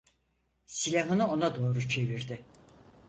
Silahını ona doğru çevirdi.